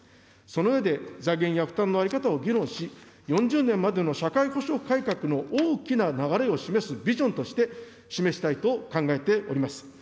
その上で、財源や負担の在り方を議論し、４０年までの社会保障改革の大きな流れを示すビジョンとして、示したいと考えております。